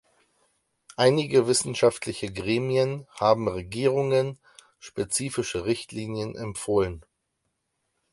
Einige wissenschaftliche Gremien haben Regierungen spezifische Richtlinien empfohlen.